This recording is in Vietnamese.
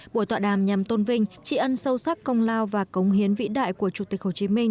buổi tọa đàm nhằm tôn vinh tri ân sâu sắc công lao và cống hiến vĩ đại của chủ tịch hồ chí minh